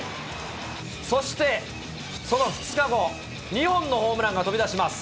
そしてその２日後、２本のホームランが飛び出します。